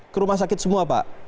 ke rumah sakit semua pak